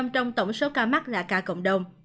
bốn mươi trong tổng số ca mắc là ca cộng đồng